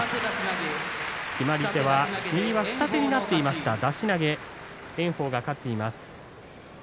決まり手は右は下手になっていました、出し投げ炎鵬が勝っています。